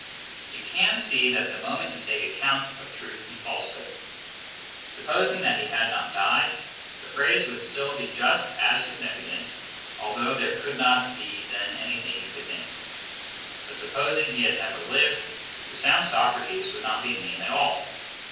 You can see that the moment you take account of truth and falsehood. Supposing he had not died, the phrase would still be just as significant although there could not be then anything you could name. But supposing he had never lived, the sound "Socrates" would not be a name at all.